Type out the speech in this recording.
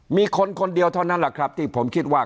มีคนคนเดียวเท่านั้นแหละครับ